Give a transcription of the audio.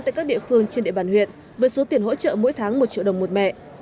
tại các địa phương trên địa bàn huyện với số tiền hỗ trợ mỗi tháng một triệu đồng một mẹ